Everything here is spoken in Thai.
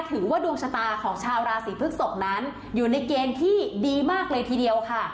ถือว่าดวงชะตาของชาวราศีพฤกษกนั้นอยู่ในเกณฑ์ที่ดีมากเลยทีเดียวค่ะ